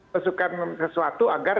masukkan sesuatu agar